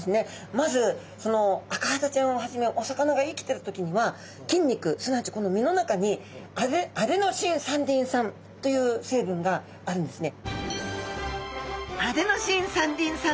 まずそのアカハタちゃんをはじめお魚が生きているときには筋肉すなわちこの身の中にアデノシン三リン酸という成分があるんですね。